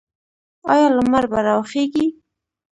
آیا لمر به راوخیږي؟